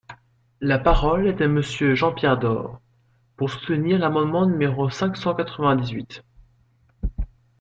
La parole est à Monsieur Jean-Pierre Door, pour soutenir l’amendement numéro cinq cent quatre-vingt-dix-huit.